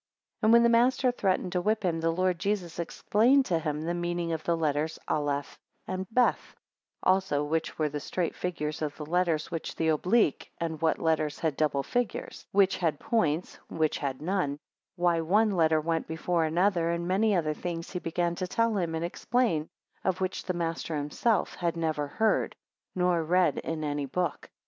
7 And when the master threatened to whip him, the Lord Jesus explained to him the meaning of the letters Aleph and Beth; 8 Also which were the straight figures of the letters, which the oblique, and what letters had double figures; which had points, and which had none; why one letter went before another; and many other things he began to tell him, and explain, of which the master himself had never heard, nor read in any book.